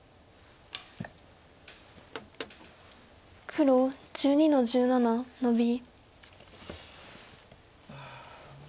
黒１２の十七ノビ。